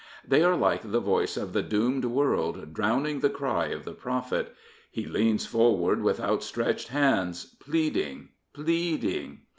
They are like the voice of the doomed world drowning the cry of the prophet. He leans forward with outstretched hands, pleading, pleading.